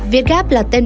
việt gap là tên vật tế